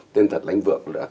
tên thật là anh vượng